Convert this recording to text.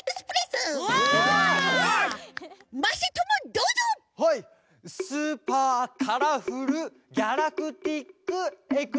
スーパーカラフルギャラクティックエクス。